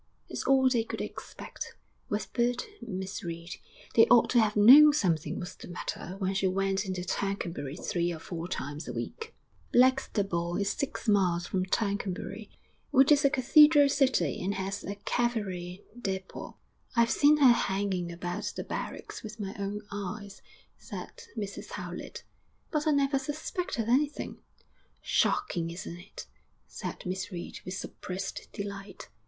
'It's all they could expect,' whispered Miss Reed. 'They ought to have known something was the matter when she went into Tercanbury three or four times a week.' Blackstable is six miles from Tercanbury, which is a cathedral city and has a cavalry dépôt. 'I've seen her hanging about the barracks with my own eyes,' said Mrs Howlett, 'but I never suspected anything.' 'Shocking! isn't it?' said Miss Reed, with suppressed delight.